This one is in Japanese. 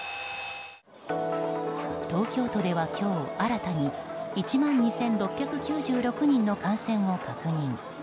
東京都では今日新たに１万２６９６人の感染を確認。